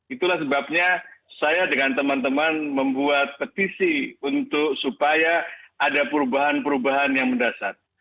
itulah sebabnya saya dengan teman teman membuat petisi untuk supaya ada perubahan perubahan yang mendasar